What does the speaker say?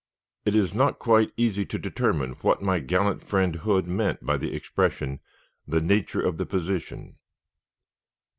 It is not quite easy to determine what my gallant friend Hood meant by the expression, "the nature of the position."